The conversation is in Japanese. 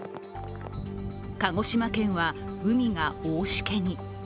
鹿児島県は海が大しけに。